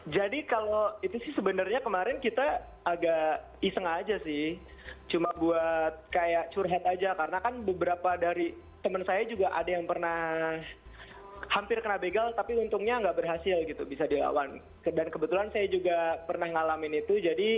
jadi kalau itu sih sebenarnya kemarin kita agak iseng aja sih cuma buat kayak curhat aja karena kan beberapa dari teman saya juga ada yang pernah hampir kena begal tapi untungnya nggak berhasil gitu bisa dilawan dan kebetulan saya juga pernah ngalamin itu jadi